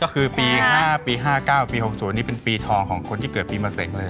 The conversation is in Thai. คือปี๕ปี๕๙ปี๖๐เป็นปีทองของคนที่เกิดปีเมื่อเสร็จเลย